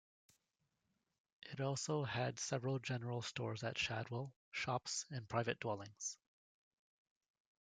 It also had several general stores at Shadwell, shops, and private dwellings.